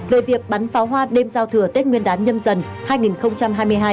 về việc bắn pháo hoa đêm giao thừa tết nguyên đán nhâm dần